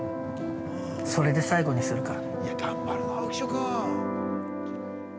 それで最後にするから。